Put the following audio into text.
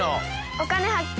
「お金発見」。